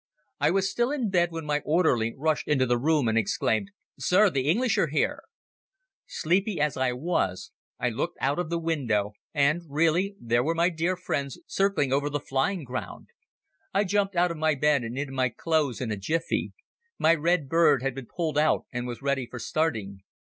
I was still in bed when my orderly rushed into the room and exclaimed: "Sir, the English are here!" Sleepy as I was, I looked out of the window and, really, there were my dear friends circling over the flying ground. I jumped out of my bed and into my clothes in a jiffy. My Red Bird had been pulled out and was ready for starting.